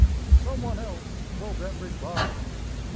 some one else will then reply.